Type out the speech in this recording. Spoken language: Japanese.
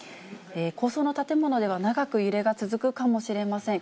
高層の建物では長く揺れが続くかもしれません。